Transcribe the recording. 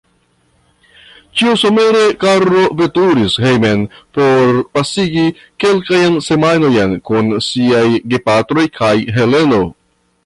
Ĉiusomere Karlo veturis hejmen por pasigi kelkajn semajnojn kun siaj gepatroj kaj Heleno.